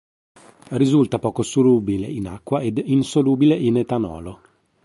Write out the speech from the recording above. Risulta poco solubile in acqua ed insolubile in etanolo.